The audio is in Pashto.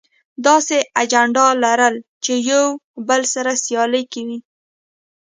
داسې اجنډا لرل چې يو بل سره سیالي کې وي.